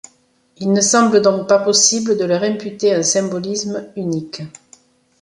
Il ne semble donc pas possible de leur imputer un symbolisme unique.